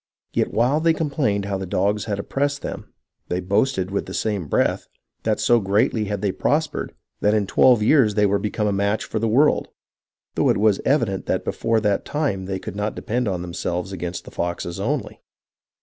Yet while they complained how the dogs had oppressed them, they boasted with the same breath, that so greatly had they prospered, that in twelve years they were become a match for the world ; though it was evident that before that time they could not depend on themselves against the foxes only.